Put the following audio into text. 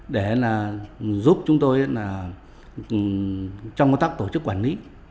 để giúp chúng tôi trong tác tổ chức quản lý